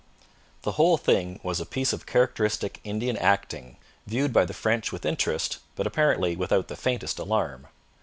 The whole thing was a piece of characteristic Indian acting, viewed by the French with interest, but apparently without the faintest alarm.